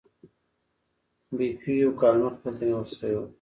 بیپو یو کال مخکې دلته نیول شوی و.